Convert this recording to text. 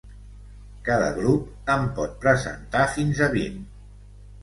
Cada grup en pot presentar fins a vint.